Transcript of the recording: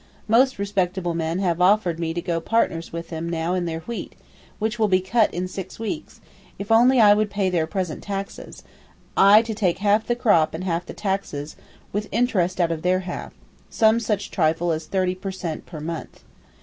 Most respectable men have offered me to go partners with them now in their wheat, which will be cut in six weeks, if only I would pay their present taxes, I to take half the crop and half the taxes, with interest out of their half—some such trifle as 30 per cent, per month.